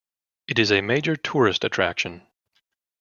It is a major tourist attraction.